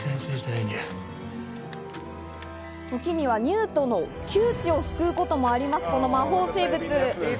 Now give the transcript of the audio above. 時にはニュートの窮地を救うこともあります、この魔法生物。